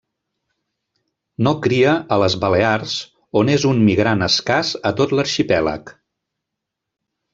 No cria a les Balears on és un migrant escàs a tot l'arxipèlag.